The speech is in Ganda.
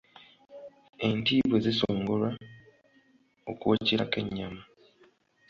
Enti bwe zisongolwa okwokyerako ennyama.